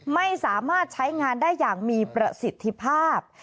ไม่สามารถใช้งานได้อย่างมีประสิทธิภาพ